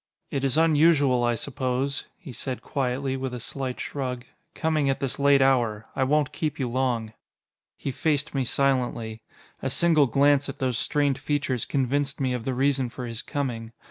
It is unusual, I suppose," he said quietly, with a slight shrug, "coming at this late hour. I won't keep you long." He faced me silently. A single glance at those strained features convinced me of the reason for his coming.